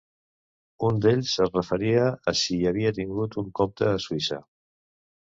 Un d'ells es referia a si hi havia tingut un compte a Suïssa.